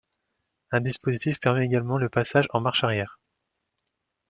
Un dispositif permet également le passage en marche arrière.